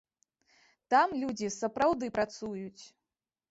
Там людзі сапраўды працуюць.